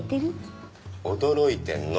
驚いてんの。